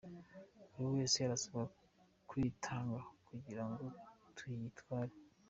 Buri wese arasabwa kwitanga kugira ngo tugitware.